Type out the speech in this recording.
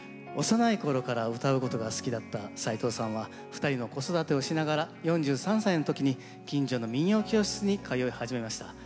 幼いころからうたうことが好きだった斉藤さんは２人の子育てをしながら４３歳の時に近所の民謡教室に通い始めました。